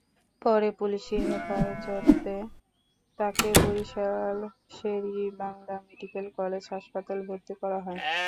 পরে পুলিশি হেফাজতে তাকে বরিশাল শের-ই-বাংলা মেডিকেল কলেজ হাসপাতালে ভর্তি করা হয়।